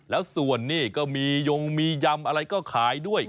แล้วส่วนนี่ก็มียงมียำอะไรก็ขายด้วย